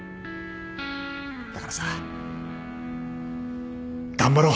だからさ頑張ろう。